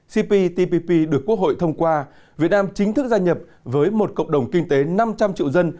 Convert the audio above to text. cptpp được quốc hội thông qua việt nam chính thức gia nhập với một cộng đồng kinh tế năm trăm linh triệu dân